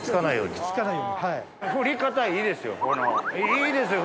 いいですよ！